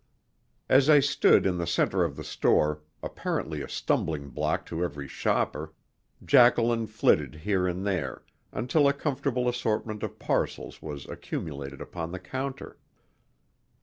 As I stood in the centre of the store, apparently a stumbling block to every shopper, Jacqueline flitted here and there, until a comfortable assortment of parcels was accumulated upon the counter.